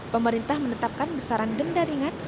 pemerintah menetapkan besaran denda ringan